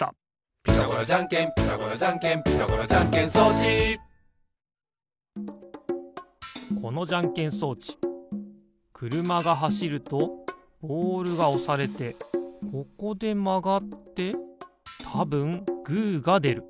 「ピタゴラじゃんけんピタゴラじゃんけん」「ピタゴラじゃんけん装置」このじゃんけん装置くるまがはしるとボールがおされてここでまがってたぶんグーがでる。